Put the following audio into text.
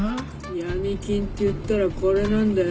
ヤミ金っていったらこれなんだよ。